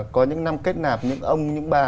có những năm kết nạp những ông những bà